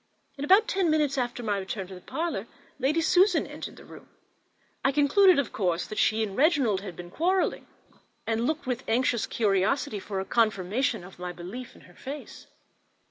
In about ten minutes after my return to the parlour Lady Susan entered the room. I concluded, of course, that she and Reginald had been quarrelling; and looked with anxious curiosity for a confirmation of my belief in her face.